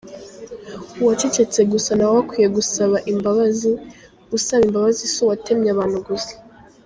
Uwacecetse gusa nawe akwiye gusaba imbabazi, usaba imbabazi si uwatemye abantu gusa.”